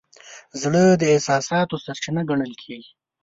زړه د احساساتو سرچینه ګڼل کېږي.